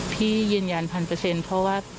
พี่ยืนยัน๑๐๐เพราะว่า